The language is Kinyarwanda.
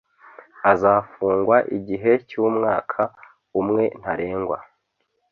Azafungwa igihe cy’umwaka umwe ntarengwa